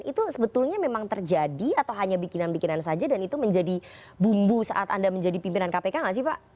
itu sebetulnya memang terjadi atau hanya bikinan bikinan saja dan itu menjadi bumbu saat anda menjadi pimpinan kpk nggak sih pak